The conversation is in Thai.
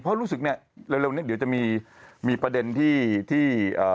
เพราะรู้สึกเร็วนี้เดี๋ยวจะมีประเด็นที่